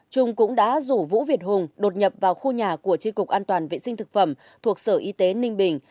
trung cũng đã rủ vũ việt hùng đột nhập vào khu nhà của tri cục an toàn vệ sinh thực phẩm thuộc sở y tế ninh bình